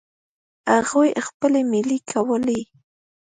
هغوی خپلې میلې کولې.